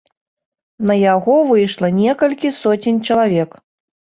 На яго выйшла некалькі соцень чалавек.